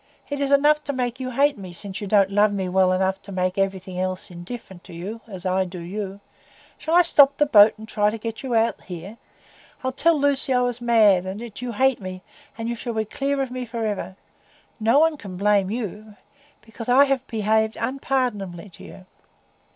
It is enough to make you hate me, since you don't love me well enough to make everything else indifferent to you, as I do you. Shall I stop the boat and try to get you out here? I'll tell Lucy that I was mad, and that you hate me; and you shall be clear of me forever. No one can blame you, because I have behaved unpardonably to you."